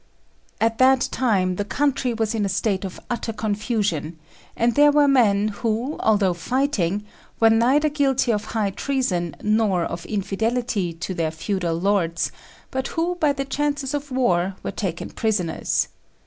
At that time the country was in a state of utter confusion; and there were men who, although fighting, were neither guilty of high treason nor of infidelity to their feudal lords, but who by the chances of war were taken prisoners.